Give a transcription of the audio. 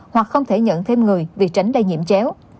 hoặc không thể nhận thêm người vì tránh lây nhiễm chéo